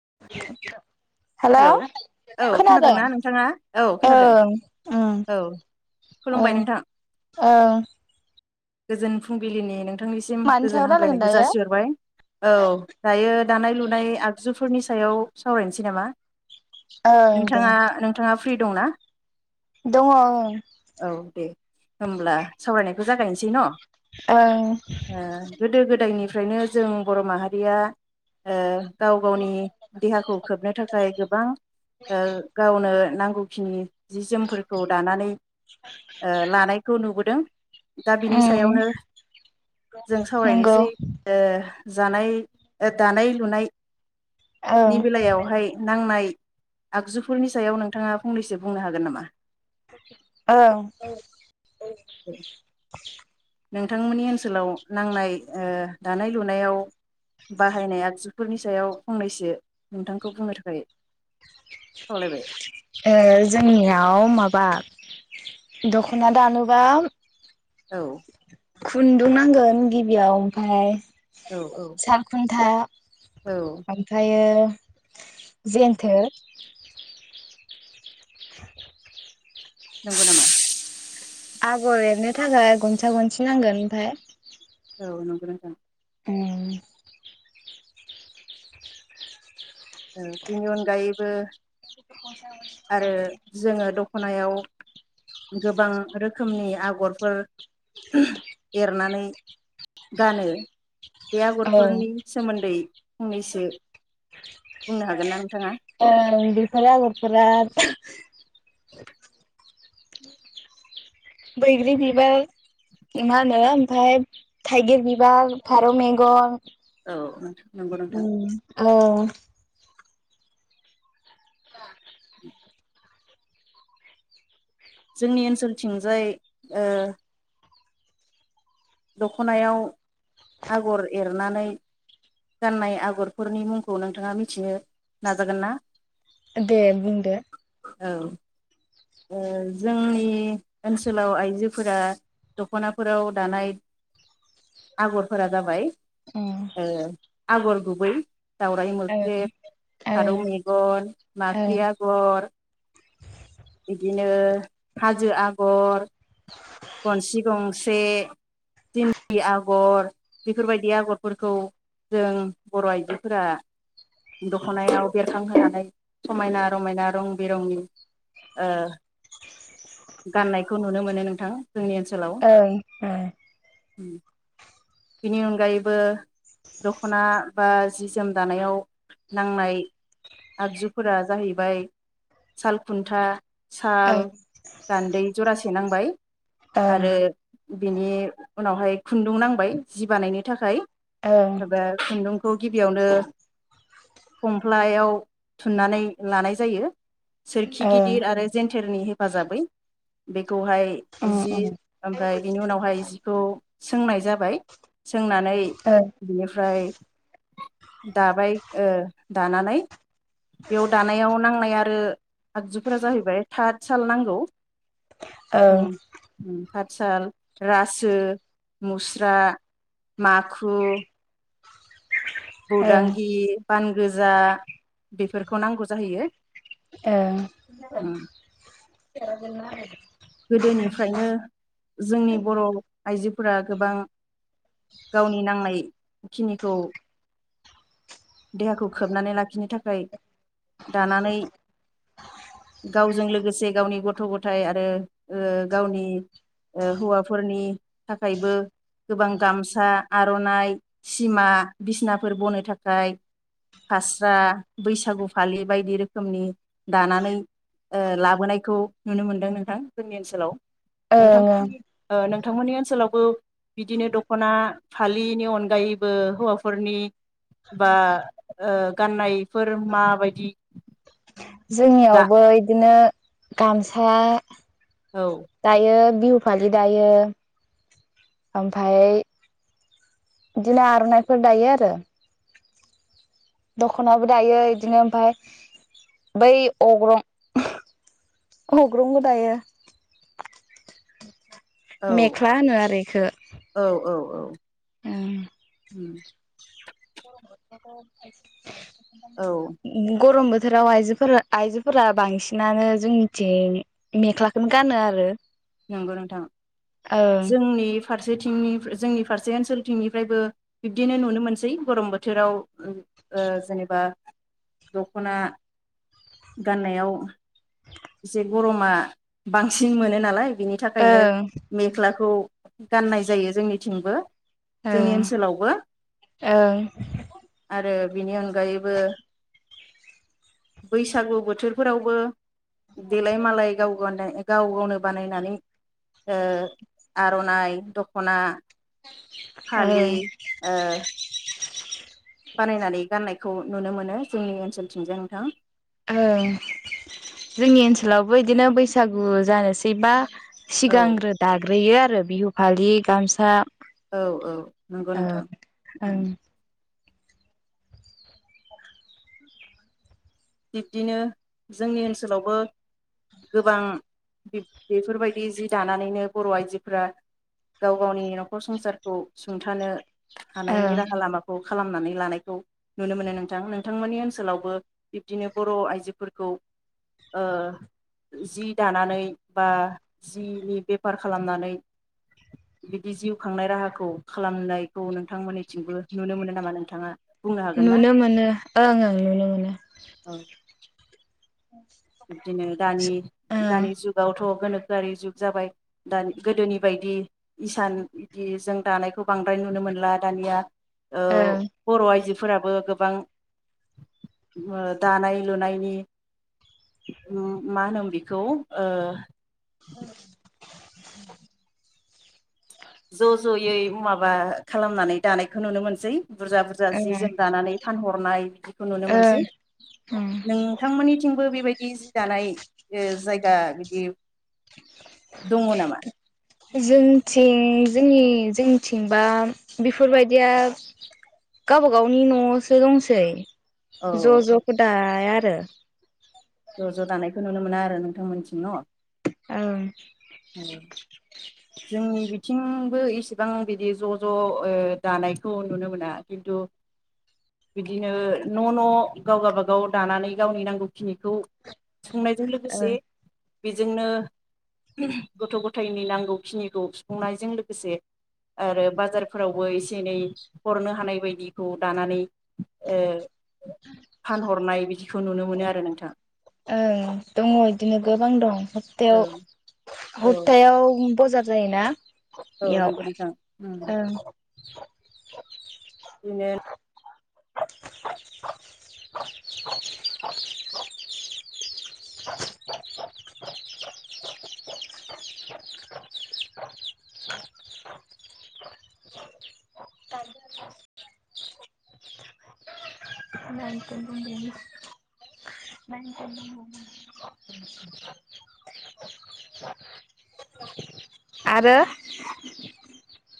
[inaudible] हेल hello औ खोनादों खोनादोंना नोंथाङा औ खोनादों ओं ओं औ खुलुमबाय ओं नोंथां ओं गोजोन फुंबिलिनि नों। नोंथांनिसिम मानि सायाव गोजोन रायलायगोन हामलायनायखौ दायो जासिहरबाय औ दायो दानाय लुनाय आगजु फोरनि सायाव सावरायनोसै नामा? ओं दे नोंथाङा-नोंथाङा फ्रि दं ना? दङ ओं औ दे होनब्ला सावरायनाय। जागायनोसै न? ओ ओं गोदो गोदायनिफ्राय ओफ्रायनो जों बर माहारिया ओ गाव गावनि देहाखौ खोबनो थाखाय दाइ गोबां गावनो। ओ नांगौखिनि जि जोमफोरखौ दानानै ओ लानायखौ नुबोदों। दा बिनि उम सायावनो जों नंगौ सावरायनोसै ओ जानाय ओ दानाय लुनाय नि ओं बेलायावहाय। नांनाय आगजुफोरनि सायाव नोंथाङा फंनैसो बुंनो हागोन नामा? ओं। नोंथांमोननि ओनसोलाव नांनाय ओ दानाय लुनायाव बाहायनाय आगजुफोरनि सायाव फंनैसो नोंथांखौ बुंनो थाखाय खावलायबाय ओ जोंनियाव माबा दख'ना दानोबा औ। खुन्दुं नांगोन गिबियाव ओमफाय औ औ सालखुन्था। औ ओमफ्रायो जेनथोर। [inaudible] नंगौ नामा? [inaudible] आगर एरनो थाखाय गनसा गनसि नांगोन ओमफाय। औ नंगौ नोंथां। उम। ओ बिनि अनगायैबो आरो जोङो दख खनायाव गोबां रोखोमनि आगरफोर उह एरनानै गानो। बे औ आगरफोरनि सोमोन्दै फंनैसो बुंनो हागोन ना नोंथाङा? ओं बिफोर आगरफोरा [inaudible] बैग्रि बिबार मा होनो ओमफाय थाइगिर बिबार, फारौ मेगन औ नोंथां नंगौ नोंथां उम औ जोंनि ओनसोलथिंजाय ओ दख्नायाव आगर एरनानै गाननाय आगरफोरनि मुंखौ नोंथाङा मिथिनो नाजागोन ना? दे बुंदो। औ ओ जोंनि ओनसोलाव आइजोफोरा दख'नाफोराव दानाय आगरफोरा जाबाय उम ओ आगर गुबै दावराइ मोख्रेब, ओं फारौ मेगन, ओं माख्रि आगर, बिदिनो हाजो आगर गनसि गं बे दिन्दि आगर बेफोरबायदि आगरफोरखौ जों बर' आइजोफोरा दखनायाव बेरखांहोनानै समायना रमायना रं बिरंनि ओ गाननायखौ नुनो मोनो नोंथां। ओं ओ बेनि अनगायैबो दख्ना बा जि जोम दानायाव नांनाय आगजुफोरा जाहैबाय साल खुन्था साल गान्दै जरा से नांबाय। आरो बिनि उनावहाय खुन्दुं नांबाय जि बानायनो थाखाय [unintelligible] खुन्दुं खौ गिबियावनो फमफ्लायाव थुननानै लानाय जायो। सोरखि गि ओं दिर आरो जेन्थेरनि हेफाजाबै बे खौहाय उम जि उम ओमफ्राय बेनि उनावहाय जिखौ सोंनाय जाबाय सोंनानै ओं बिनिफ्राय दाबाय ओ दानानै बेयाव दानायाव नांनाय आरो आगजु फोरा जाहैबाय थाथसाल नांगौ। ओं ओम ओम ताथसाल, रासो, मुस्रा, माखु ओं बुदांगि बान गोजा बेफोरखौ नांगौ जाहैयो। उम ओ [unintelligible] गोदोनिफ्रायनो जोंनि बर' आइजोफ फोरा गोबां गावनि नांनाय खिनिखौ देहाखौ खोबनानै लाखिनो थाखाय दानानै गावजों लोगोसे गावनि गथ थ' गथाइ आरो ओ गावनि ओ हौवाफोरनि थाखायबो गोबां गामसा आर'नाइ सिमा बिसनाफोर बनो थाखाय फास्रा बैसागु फालि बायदि रोखोमनि दानानै ओ लाबोनायखौ नुनो मोनदों नोंथां। जोंनि ओनसोलाव ओं नोंथांनि ओ नों थांमोननि ओनसोलावबो बिदिनो दख'ना फालिनि अनगायैबो हौवाफोरनि बा ओ गान्नायफोर माबायदि? दा जोंनियावबो इदिनो गामसा औ दायो। बिहु फालि दायो ओमफाय इदिनो आर'नाइफोर दायो आरो। दख'नाबो दायो इदिनो ओमफाय बै अग्रं अग्रंबो दायो। औ मेख्ला होनो आरो इखो। औ औ ओम उम औ [unintelligible] गरम बोथ थोराव आइजोफोर आइजोफोरा बांसिनानो जोंनिथिं मेख्लाखोनो गानो आरो। नंगौ नोंथां ओं जोंनि फारसेथिंनि जोंनि फारसे ओनसोलथिंनिफ्रायबो बिब्दिनो नुनो मोनसै गरम बोथोराव ओ जेनेबा दख'ना गाननायाव एसे गरमा बांसिन मोनो नालाय बिनि थाखायनो ओं मेख्लाखौ गाननाय जायो जोंनिथिंबो जोंनि ओं ओनसोलावबो [inaudible] ओं बिनि अन गायैबो [inaudible] बैसागु बोथोरफोरावबो देलाय मलाय गाव गाव गावनो बानायनानै ओ आर'नाइ दख'ना [inaudible] फालि ओं ओ बानायनानै गान्नाय खौ नुनो मोनो जोंनि ओनसोलथिंजाय नोंथां। ओ जोंनि ओनसोलावबो इदिनो बैसागु जानोसैबा औ सिगांग्रो दाग्रोयो आरो [unintelligible] बिहु फालि गामसा औ औ नंगौ नोंथां ओं ओं बिब्दिनो जोंनि ओनसोलावबो गोबां बिब बेफोरबायदि जि दानानैनो बर' आइजोफोरा गाव गावनि न'खर संसारखौ सुंथानो हानायनि ओं राहा लामाखौ खालामनानै लानायखौ नुनो मोनो नोंथां नोंथांमोननि ओनसोलावबो बिब्दिनो बर' आइजोफोरखौ ओ जि दानानै बा जिनि बेफार खालामनानै बिदि जिउ खांनाय राहाखौ खालामनायखौ नोंथांमोननिथिंबो नुनो मोनो नामा नोंथाङा? बुंनो हागोन ना नुनो मोनो ओं ओं नुनो मोनो औ बिब्दिनो दानि ओं दानि जुगावथ' गोनोखोआरि जुग जाबाय दानि गोदोनि बायदि इसान बिदि जों दानायखौ बांद्राय नुनो मोनला दानिया ओ ओं बर' आइजो फोराबो गोबां दानाय लुनायनि उम मा होनोम बेखौ ओ [inaudible] [inaudible] ज' ज'यै माबा खालामनानै दानायखौ नुनो मोनसै बुरजा बुरजा जि ओं जोम दानानै फानहरनाय बिदिखौ नुनो मोनसै ओं ओं नोंथांमोननिथिंबो बेबायदि जि दानाय ओ जायगा बिदि दङ नामा जोंथिं जोंनि जोंनिथिंबा बेफोरबायदिया गावबा गावनि न'आवसो दंसै औ ज' ज' खौ दाया ओ ज' ज' दानायखौ नुनो मोना आरो नोंथांमोनथिं न' ओं औ जोंनि बिथिंबो इसिबां बिदि ज' ज' ओ दानायखौ नुनो मोना खिन्थु बिदिनो न' न' गाव गावबा गाव दानानै गावनि नांगौखिनिखौ संनायजों ओं लोगोसे बेजोंनो गथ' गथायनि नांगौ खिनिखौ सुफुंनायजों लोगोसे आरो बाजारफोरावबो एसे एनै हरनो हानाय बायदिखौ दानानै ओ फानहरनाय बिथि खौ नुनो मोनो आरो नोंथाङा ओं दङ इदिनो गोबां दं औ हबटायाव औ हबटायाव बजार जायोना औ बेयाव नंगौ नोंथां। उम ओं बिदिनो [unintelligible] [unintelligible]